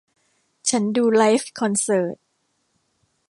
ฉันดูไลฟ์คอนเสิร์ต